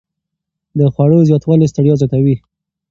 د خوړو زیاتوالی ستړیا زیاتوي.